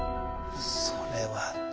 それは。